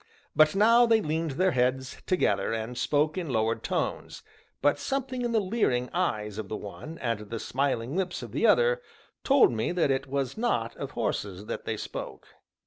But now they leaned their heads together and spoke in lowered tones, but something in the leering eyes of the one, and the smiling lips of the other, told me that it was not of horses that they spoke.